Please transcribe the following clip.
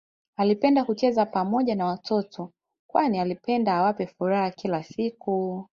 Alipenda kucheza Pamoja na watoto kwani alipenda awape furaha kila siku